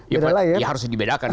ya harus dibedakan